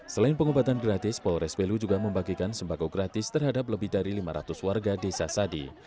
selain pengobatan gratis polres belu juga membagikan sembako gratis terhadap lebih dari lima ratus warga desa sadi